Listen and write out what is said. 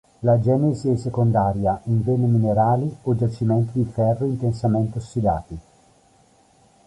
La genesi è secondaria, in vene minerali o giacimenti di ferro intensamente ossidati.